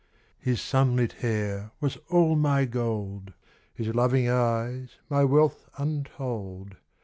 His sunlit hair was all my gold ; His loving eyes my wealth untold.